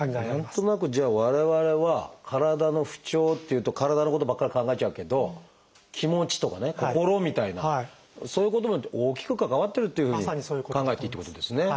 何となくじゃあ我々は体の不調というと体のことばっかり考えちゃうけど気持ちとかね心みたいなそういうことも大きく関わってるっていうふうに考えていいってことですね。